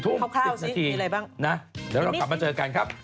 เดี๋ยวเรากลับมาเจอกันครับ